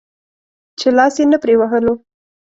چې لاس يې نه پرې وهلو.